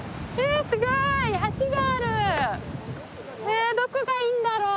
えどこがいいんだろう？